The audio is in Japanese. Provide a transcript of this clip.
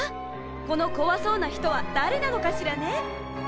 このこわそうなひとはだれなのかしらね？